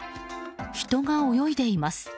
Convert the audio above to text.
人が泳いでいます。